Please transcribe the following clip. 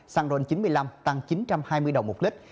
xăng ron chín mươi năm tăng chín trăm hai mươi đồng một lít